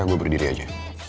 ya gue berdiri aja